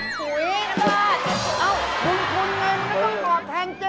บุญคุณไงมันก็ไม่เหมาะแทนเจ๊